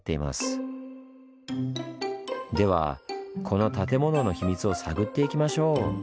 ではこの建物の秘密を探っていきましょう。